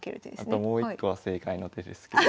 あともう一個は正解の手ですけど。